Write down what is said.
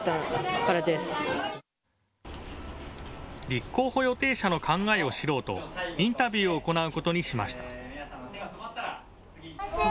立候補予定者の考えを知ろうとインタビューを行うことにしました。